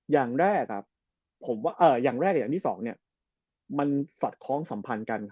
อย่างแรกกับอย่างที่๒สัดคร้องสัมพันธ์กัน